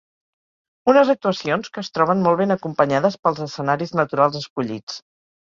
Unes actuacions que es troben molt ben acompanyades pels escenaris naturals escollits.